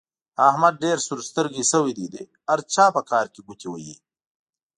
احمد ډېر سور سترګی شوی دی؛ د هر چا په کار کې ګوتې وهي.